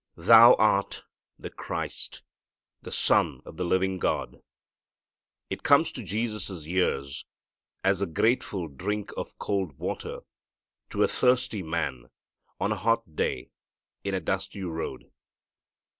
"Thou art the Christ, the Son of the living God." It comes to Jesus' ears as a grateful drink of cold water to a thirsty man on a hot day in a dusty road.